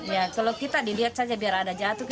ya kalau kita dilihat saja biar ada jatuh